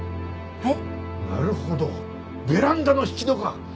はい。